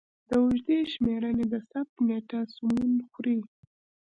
د اوږدې شمېرنې د ثبت نېټه سمون خوري.